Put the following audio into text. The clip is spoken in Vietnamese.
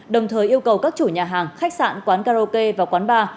đồng thời yêu cầu các chủ nhà hàng khách sạn quán karaoke và quán bar